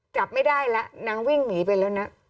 จับไม่ได้แล้วนางวิ่งหนีไปแล้วนะ